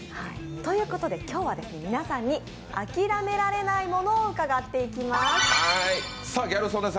ということで今日は皆さんにあきらめられない物を伺っていきます。